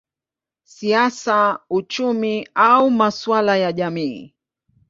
siasa, uchumi au masuala ya jamii.